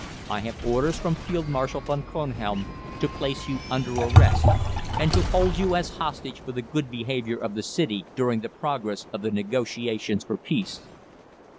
I have orders from Field Marshal von Kronhelm to place you under arrest, and to hold you as hostage for the good behaviour of the City during the progress of the negotiations for peace."